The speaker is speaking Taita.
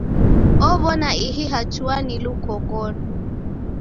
Ow'ona ihi hatua ni lukongodo.